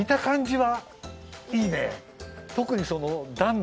はい。